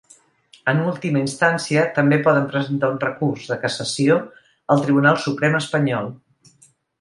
En última instància, també poden presentar un recurs de cassació al Tribunal Suprem espanyol.